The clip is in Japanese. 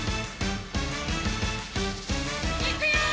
「いくよー！」